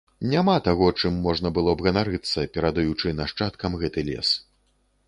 Няма таго, чым можна было б ганарыцца, перадаючы нашчадкам гэты лес.